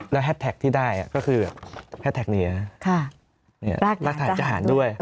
แล้วแฮดแท็กที่ได้ก็คือแฮสแท็กนี้มาตรฐานทหารด้วย